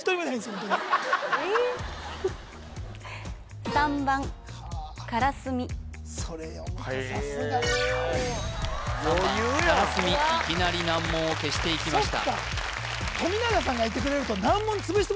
ホントにそれ読むかさすが３番からすみいきなり難問を消していきました